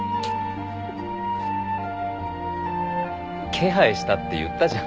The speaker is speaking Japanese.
気配したって言ったじゃん。